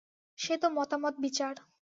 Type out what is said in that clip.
সে তো মতামত-বিচার।